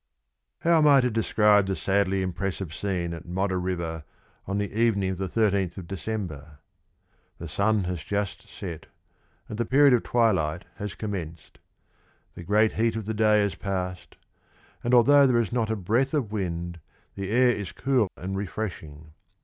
_) How am I to describe the sadly impressive scene at Modder River on the evening of the 13th of December? The sun has just set, and the period of twilight has commenced. The great heat of the day has passed, and although there is not a breath of wind, the air is cool and refreshing.